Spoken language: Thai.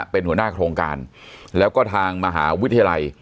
เป็นหัวหน้าโครงการแล้วก็ทางมหาวิทยาลัย